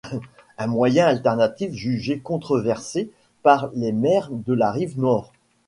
Un moyen alternatif jugé controversé par les maires de la rive-nord.